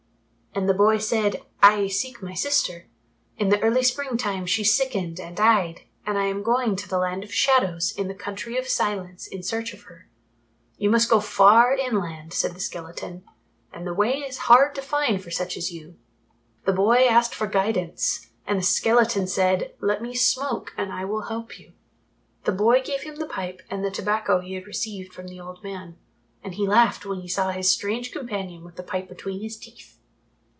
And the boy said, "I seek my sister. In the early spring time she sickened and died, and I am going to the Land of Shadows in the Country of Silence in search of her." "You must go far inland," said the skeleton, "and the way is hard to find for such as you." The boy asked for guidance and the skeleton said, "Let me smoke and I will help you." The boy gave him the pipe and the tobacco he had received from the old man, and he laughed when he saw his strange companion with the pipe between his teeth.